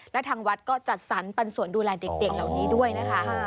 และทางวัดก็จัดสรรปันส่วนดูแลเด็กเหล่านี้ด้วยนะคะ